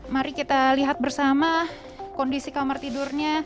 mari kita lihat bersama kondisi kamar tidurnya